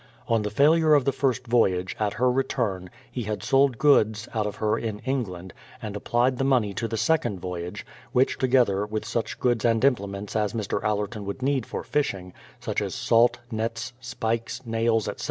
On the failure of the first voyage, at her return, he had sold goods out of her in England, and applied the money to the second voyage, which, together with such goods and implements as Mr. Allerton would need for fishing, such as salt, nets, spikes, nails, etc.